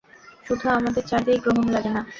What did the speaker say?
শুধু আমাদের চাঁদেই গ্রহণ লাগে না।